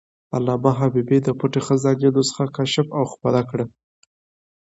علامه حبیبي د "پټه خزانه" نسخه کشف او خپره کړه.